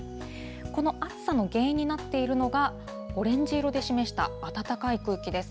この暑さの原因になっているのが、オレンジ色で示した暖かい空気です。